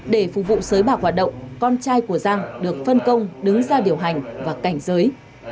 để phục vụ sới bạc hoạt động con trai của giang được phân công đứng ra điều hành và cảnh giới